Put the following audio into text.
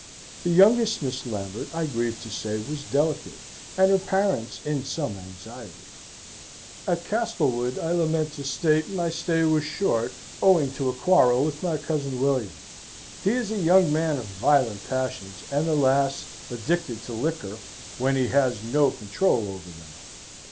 The youngest Miss Lambert, I grieve to say, was dellicate; and her parents in some anxiety. "At Castlewood I lament to state my stay was short, owing to a quarrel with my cousin William. He is a young man of violent passions, and alas! addicted to liquor, when he has no controul over them.